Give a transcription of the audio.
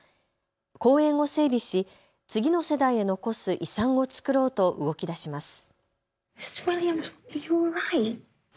公園を整備し、次の世代へ残す遺産を作ろうと動きだします。